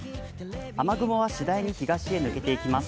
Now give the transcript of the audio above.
雨雲はしだいに東へ抜けていきます。